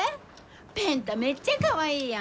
ペン太めっちゃかわいいやん！